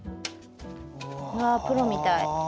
ああプロみたい。